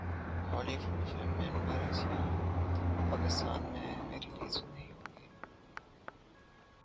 بولی would film من مرضیاں پاکستان میں ریلیز نہیں ہوگی